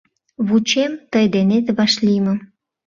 Вучем тый денет вашлиймым.